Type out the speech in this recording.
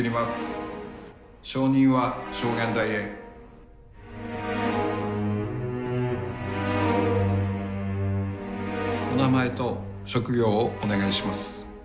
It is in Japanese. お名前と職業をお願いします。